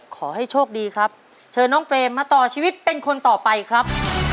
ขอให้โชคดีครับเชิญน้องเฟรมมาต่อชีวิตเป็นคนต่อไปครับ